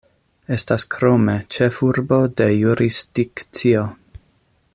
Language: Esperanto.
Estas krome ĉefurbo de jurisdikcio.